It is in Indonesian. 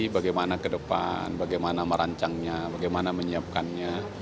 bagaimana ke depan bagaimana merancangnya bagaimana menyiapkannya